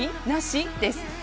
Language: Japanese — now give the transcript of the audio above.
なし？です。